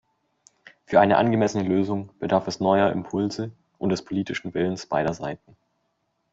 Für eine angemessene Lösung bedarf es neuer Impulse und des politischen Willens beider Seiten.